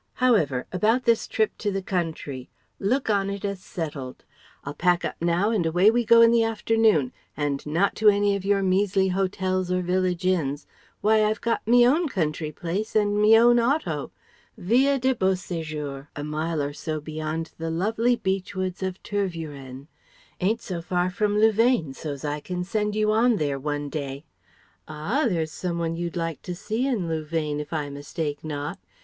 However about this trip to the country, look on it as settled. I'll pack up now and away we go in the afternoon. And not to any of your measly Hotels or village inns. Why I've got me own country place and me own auto. Villa de Beau séjour, a mile or so beyond the lovely beech woods of Tervueren. Ain't so far from Louvain, so's I can send you on there one day Ah! There's some one you'd like to see in Louvain, if I mistake not!